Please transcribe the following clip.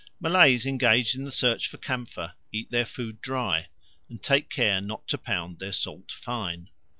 Malays engaged in the search for camphor eat their food dry and take care not to pound their salt fine.